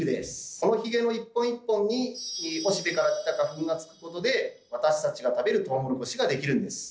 そのヒゲの一本一本におしべから来た花粉がつくことで私たちが食べるトウモロコシができるんです。